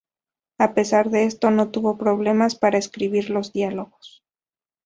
A pesar de esto, no tuvo problemas para escribir los diálogos.